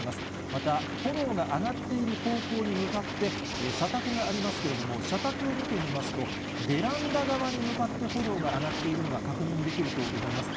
また、炎が上がっている方向に向かって、社宅がありますけれども、社宅を見てみますと、ベランダ側に向かって炎が上がっているのが確認できると思います。